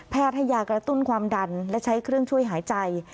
ให้ยากระตุ้นความดันและใช้เครื่องช่วยหายใจ